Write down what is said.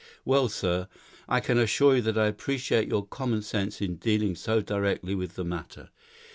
Well, sir, I can assure you I appreciate your common sense in dealing so directly with the matter.